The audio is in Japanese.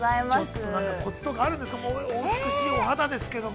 ◆ちょっとなんかコツとかあるんですか、お美しいお肌ですけれども。